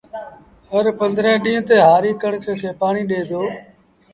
هرپنڌرهين ڏيݩهݩ تي هآري ڪڻڪ کي پآڻيٚ ڏي دو